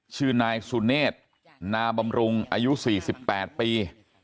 ชื่อนายสุเนธนาบำรุงอายุ๔๘ปี